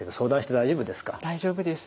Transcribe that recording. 大丈夫です。